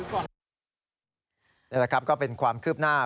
นี่แหละครับก็เป็นความคืบหน้า